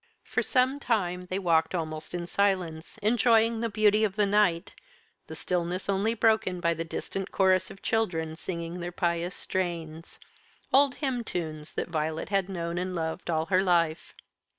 For some time they walked almost in silence, enjoying the beauty of the night, the stillness only broken by the distant chorus of children singing their pious strains old hymn tunes that Violet had known and loved all her life.